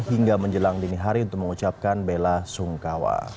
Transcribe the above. hingga menjelang dini hari untuk mengucapkan bela sungkawa